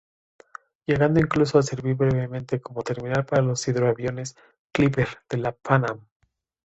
Llegando incluso a servir brevemente como terminal para los hidroaviones "Clipper" de la PanAm.